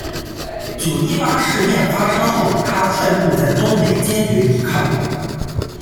九一八事变发生后他率部在东北坚决抵抗。